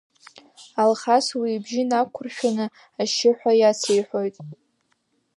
Алхас уи ибжьы нақәыршәаны, ашьшьыҳәа иациҳәоит.